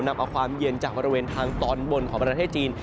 นำเอาความเย็นจากบริเวณทางตอนบนของประเทศจีน